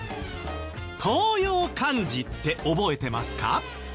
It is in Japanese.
当用漢字って覚えてますか？